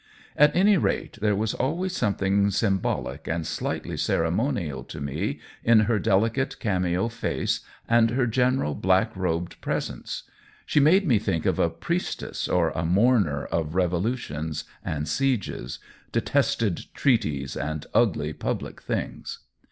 At any rate, there was always something symbolic and slightly ceremonial to me in her delicate cameo face and her general black robed presence : she made me think of a priestess or a mourner, of revolu tions and sieges, detested treaties and ugly public things.